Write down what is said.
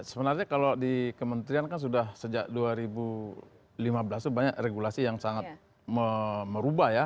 sebenarnya kalau di kementerian kan sudah sejak dua ribu lima belas itu banyak regulasi yang sangat merubah ya